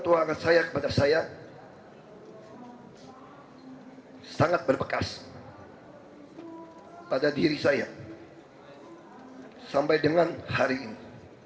tuangan saya kepada saya sangat berbekas pada diri saya sampai dengan hari ini